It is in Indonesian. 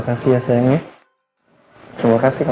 karena gue sangat menyangkali rena